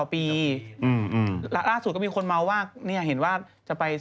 โอลี่คัมรี่ยากที่ใครจะตามทันโอลี่คัมรี่ยากที่ใครจะตามทัน